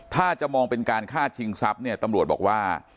ถ้าจะมองเป็นการฆ่าชิงทรัพย์เนี่ยตำรวจบอกว่า